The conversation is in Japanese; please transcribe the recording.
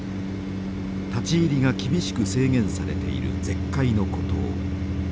立ち入りが厳しく制限されている絶海の孤島。